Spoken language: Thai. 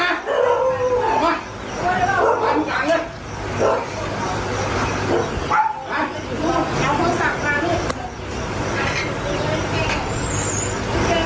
มันกลังเลย